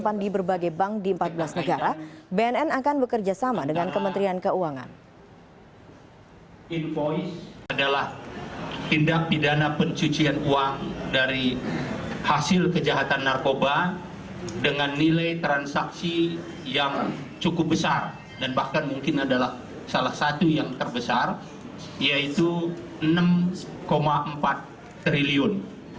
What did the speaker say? yang menjadi konsen kita tidak hanya bagaimana mengikuti barang berupa narkoba tidak hanya mengikuti orang atau follow the man tetapi juga kita mengikuti aliran keuangan